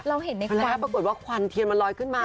และปรากฏว่าควันเทียนมันรอยขึ้นมา